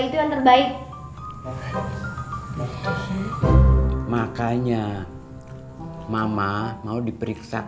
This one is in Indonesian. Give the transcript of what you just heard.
tentang sama keluarganya